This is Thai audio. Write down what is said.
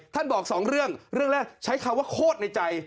บอกสองเรื่องเรื่องแรกใช้คำว่าโคตรในใจ